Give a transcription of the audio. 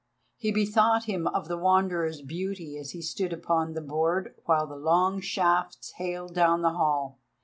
He bethought him of the Wanderer's beauty as he stood upon the board while the long shafts hailed down the hall.